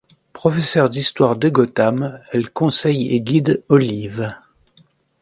Professeur d'Histoire de Gotham, elle conseille et guide Olive.